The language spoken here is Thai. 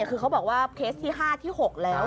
คือเขาบอกว่าเคสที่๕ที่๖แล้ว